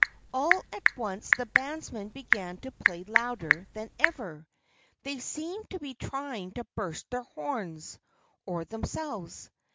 All at once the bandsmen began to play louder than ever. They seemed to be trying to burst their horns or themselves.